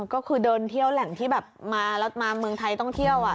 ก็คือเดินเที่ยวแหล่งที่แบบมาแล้วมาเมืองไทยต้องเที่ยว